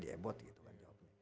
di ebot gitu kan